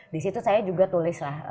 di situ saya juga tulis lah